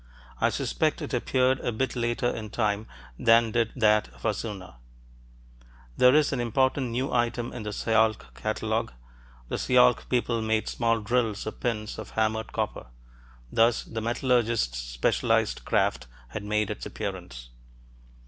I suspect it appeared a bit later in time than did that of Hassuna. There is an important new item in the Sialk catalogue. The Sialk people made small drills or pins of hammered copper. Thus the metallurgist's specialized craft had made its appearance.